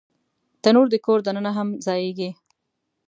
تنور د کور دننه هم ځایېږي